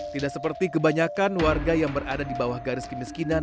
tidak seperti kebanyakan warga yang berada di bawah garis kemiskinan